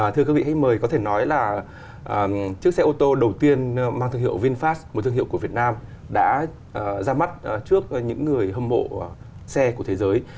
thưa quý vị khách mời có thể nói là chiếc xe ô tô đầu tiên mang thương hiệu vinfast một thương hiệu của việt nam đã ra mắt trước những người hâm mộ xe của thế giới